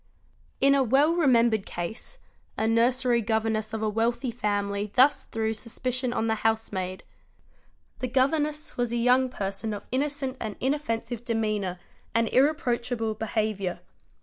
In a well remembered case a nursery governess of a wealthy family thus threw suspicion on the housemaid. 'The governess was a young person of innocent and inoffensive demeanour and irreproachable beha : viour.